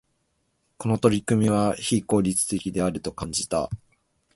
この取り組みは、非効率的であると感じた。